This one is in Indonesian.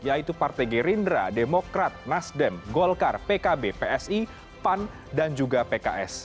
yaitu partai gerindra demokrat nasdem golkar pkb psi pan dan juga pks